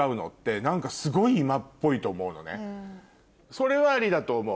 それはありだと思う